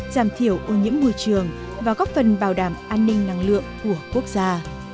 giảm thiểu ô nhiễm môi trường và góp phần bảo đảm an ninh năng lượng của quốc gia